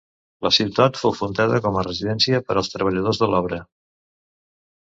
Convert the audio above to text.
La ciutat fou fundada com a residència per als treballadors de l'obra.